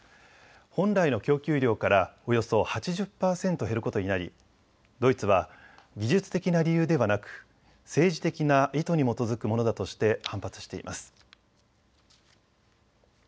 本来の供給量からおよそ８０％減ることになりドイツは技術的な理由ではなく政治的な意図に基づくものだとして反発しています。